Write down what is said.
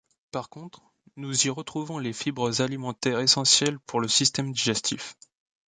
Par contre, nous y retrouvons les fibres alimentaires essentielles pour le système digestif.